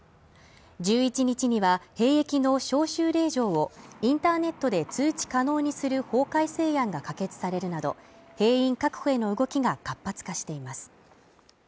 １１日には兵役の招集令状をインターネットで通知可能にする法改正案が可決されるなど、兵員確保への動きが活発化しています。